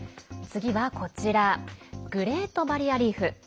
次は、こちらグレートバリアリーフ。